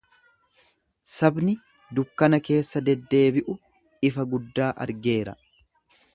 Sabni dukkana keessa deddeebiu ifa guddaa argeera.